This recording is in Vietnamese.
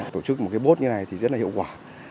tổ chức một cái bốt như này thì rất là hiệu quả